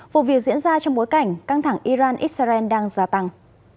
vụ việc diễn ra trong bối cảnh căng thẳng iran israel đang gia tăng